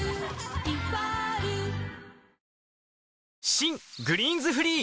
新「グリーンズフリー」